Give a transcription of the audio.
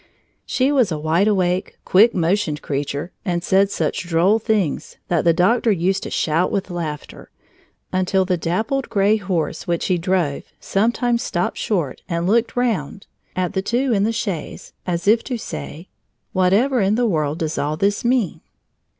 She was a wide awake, quick motioned creature and said such droll things that the doctor used to shout with laughter, until the dappled gray horse which he drove sometimes stopped short and looked round at the two in the chaise as if to say: "Whatever in the world does all this mean?"